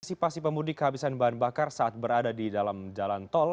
antisipasi pemudik kehabisan bahan bakar saat berada di dalam jalan tol